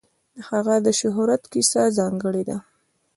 د هغه د شهرت کیسه ځانګړې ده.